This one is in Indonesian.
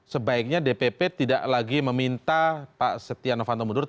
sebaiknya dpp tidak lagi meminta pak stiano fanto mundur